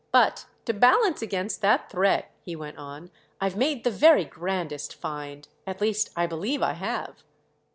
But to balance against that threat," he went on, "I've made the very grandest find. At least I believe I have!"